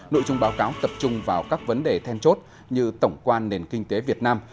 nội dung báo cáo tập trung vào các vấn đề then chốt như tổng quan nền kinh tế việt nam